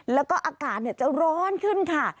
แล้วก็อากาศจะร้อนขึ้นค่ะ